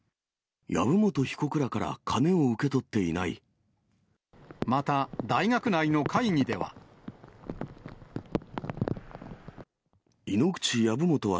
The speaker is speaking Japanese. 籔本被告らから金を受け取っまた、大学内の会議では。